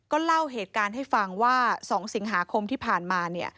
เล่าเหตุการณ์ให้ฟังว่า๒สิงหาคมที่ผ่านมา